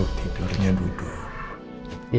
agar aku selalu bisa